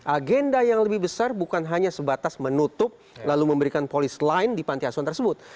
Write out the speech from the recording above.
agenda yang lebih besar bukan hanya sebatas menutup lalu memberikan polis lain di panti asuhan tersebut